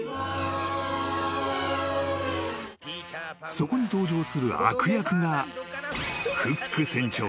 ［そこに登場する悪役が］